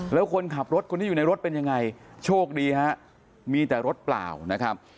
แล้วคนขับรถคนที่อยู่ในรถเป็นยังไงโชคดีฮะมีแต่รถเปล่านะครับ